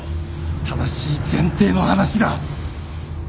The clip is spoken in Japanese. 正しい前提の話だ。